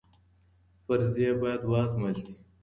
فرضیې بايد وازمویل سي.